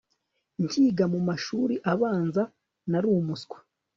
nkiga mumashuri abanza naru muswa